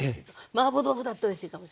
マーボー豆腐だっておいしいかもしれない。